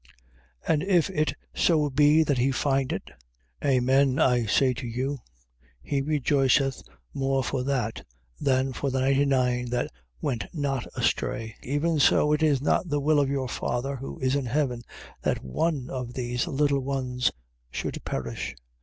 18:13. And if it so be that he find it: Amen I say to you, he rejoiceth more for that, than for the ninety nine that went not astray. 18:14. Even so it is not the will of your Father, who is in heaven, that one of these little ones should perish.